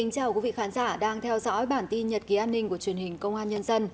chào mừng quý vị đến với bản tin nhật ký an ninh của truyền hình công an nhân dân